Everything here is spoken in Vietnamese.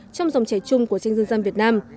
trong dòng trẻ chung của tranh dân gian việt nam